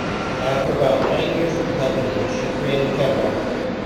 After about nine years with the company, she created Kevlar.